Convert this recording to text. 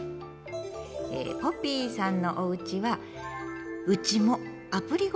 えポピーさんのおうちはハハハ！